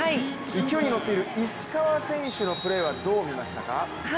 勢いに乗っている石川選手のプレーはどう見ましたか？